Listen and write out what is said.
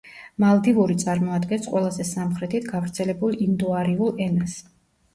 მალდივური წარმოადგენს ყველაზე სამხრეთით გავრცელებულ ინდოარიულ ენას.